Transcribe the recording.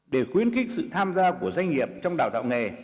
để khuyến khích sự tham gia của doanh nghiệp trong đào tạo nghề